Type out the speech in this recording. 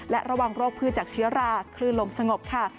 และระวังโรคพืชจากเชื้อราคลื่นลมสงบค่ะ